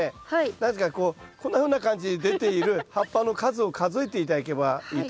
何ですかこうこんなふうな感じで出ている葉っぱの数を数えて頂けばいいと思います。